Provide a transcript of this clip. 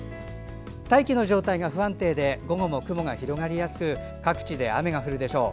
大気の状態が不安定で午後も雲が広がりやすく各地で雨が降るでしょう。